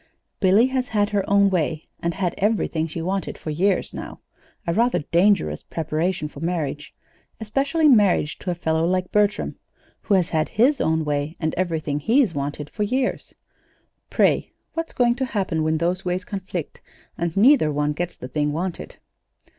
"Billy has had her own way, and had everything she wanted for years now a rather dangerous preparation for marriage, especially marriage to a fellow like Bertram who has had his own way and everything he's wanted for years. Pray, what's going to happen when those ways conflict, and neither one gets the thing wanted?